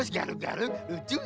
bos garung garung lucu